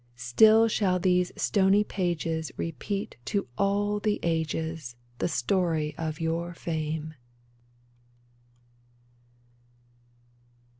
Still shall these stony pages Repeat to all the ages The story of your fame